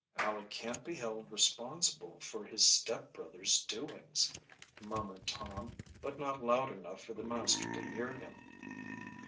"Aleck can't be held responsible for his stepbrother's doings," murmured Tom, but not loud enough for the master to hear him.